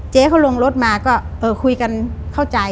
เจ๊เขาลงรถมาก็คุยกันเข้าใจ